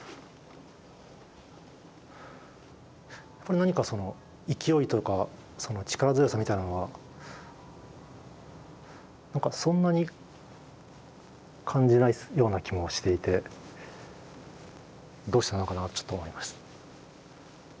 何かその勢いとか力強さみたいなのはそんなに感じないような気もしていてどうしたのかなってちょっと思います。